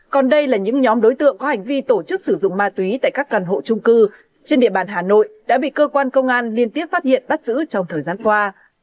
còn đây là những nhóm đối tượng có hành vi tổ chức sử dụng ma túy tại các căn hộ trung cư trên địa bàn hà nội đã bị cơ quan công an liên tiếp phát hiện bắt giữ trong thời gian qua